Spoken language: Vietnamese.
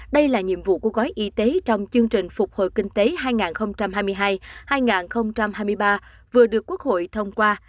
đây là nhiệm vụ của gói y tế trong chương trình phục hồi kinh tế hai nghìn hai mươi hai hai nghìn hai mươi ba vừa được quốc hội thông qua